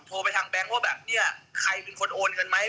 โทรไปทางแบงค์ว่าแบบเนี่ยใครเป็นคนโอนเงินไหม